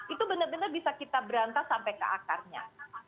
itu benar benar bisa kita berantas sampai ke akarnya